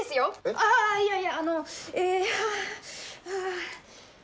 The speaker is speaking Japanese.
ああいやいやあのえあぁあぁ。